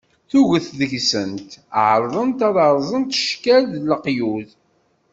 Tuget deg-sent ɛerḍent ad rẓent cckal, d leqyud.